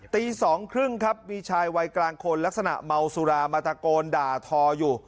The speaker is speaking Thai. ตี๒๓๐ครับมีชายวัยกลางคนลักษณะเมาสุรามาตะโกนด่าทออยู่